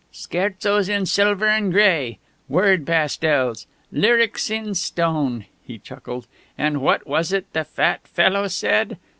"'Scherzos in Silver and Grey' 'Word Pastels' ' Lyrics in Stone!'" he chuckled. "And what was it the fat fellow said?'